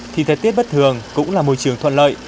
thì thời tiết bất thường cũng là môi trường thuận lợi